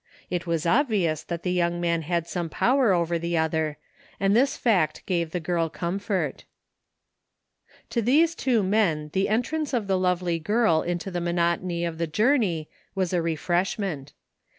It was obvious that the young man had some power over the other, and this fact gave the girl comfort. To these two men the entrance of the lovely girl into the monotony of the journey was a refreshment.